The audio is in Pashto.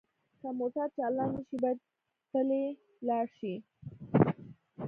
که موټر چالان نه شي باید پلی لاړ شئ